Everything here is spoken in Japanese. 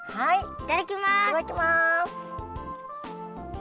いただきます！